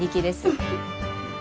フフッ。